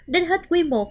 đến hết quý i